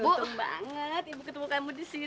bom banget ibu ketemu kamu di sini